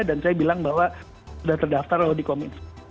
dan saya bilang bahwa sudah terdaftar loh di kominfo